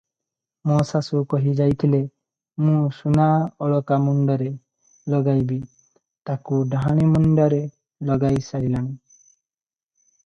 ମୋ ଶାଶୁ କହି ଯାଇଥିଲେ, ମୁଁ ସୁନା ଅଳକା ମୁଣ୍ଡରେ ଲଗାଇବି, ତାକୁ ଡାହାଣୀ ମୁଣ୍ଡରେ ଲଗାଇ ସାରିଲାଣି?